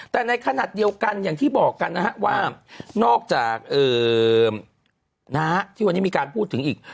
แต่ในขณะเดียวกันอย่างที่บอกกันนะฮะว่านอกจากน้าที่วันนี้มีการพูดถึงอีก